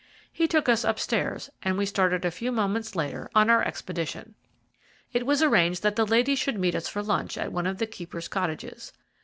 He took us upstairs, and we started a few moments later on our expedition. It was arranged that the ladies should meet us for lunch at one of the keepers' cottages.